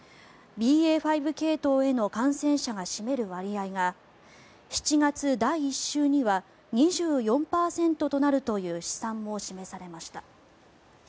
ＢＡ．５系統への感染者が占める割合が７月第１週には２４％となるという試算も示されました。